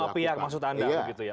semua pihak maksud anda begitu ya